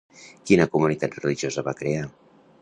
Quina comunitat religiosa va crear?